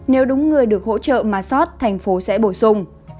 nếu đúng người được hỗ trợ mà sót thành phố sẽ bổ sung